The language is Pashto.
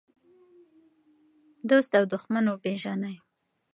دوست او دښمن وپېژنئ.